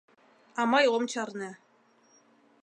А мый ом чарне.